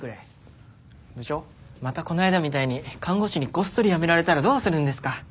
部長またこの間みたいに看護師にごっそり辞められたらどうするんですか。